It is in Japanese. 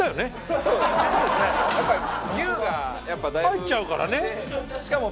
入っちゃうからね。